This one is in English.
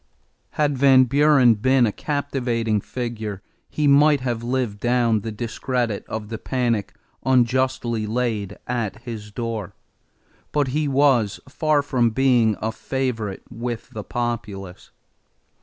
Had Van Buren been a captivating figure he might have lived down the discredit of the panic unjustly laid at his door; but he was far from being a favorite with the populace.